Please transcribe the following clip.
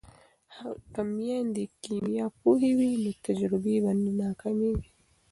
که میندې کیمیا پوهې وي نو تجربې به نه ناکامیږي.